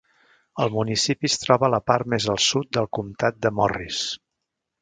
El municipi es troba a la part més al sud del comtat de Morris.